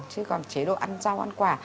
chứ còn chế độ ăn rau ăn quả